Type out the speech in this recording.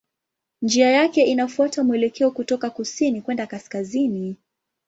Njia yake inafuata mwelekeo kutoka kusini kwenda kaskazini.